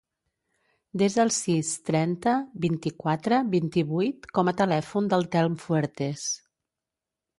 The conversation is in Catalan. Desa el sis, trenta, vint, quaranta, vint-i-vuit com a telèfon del Telm Fuertes.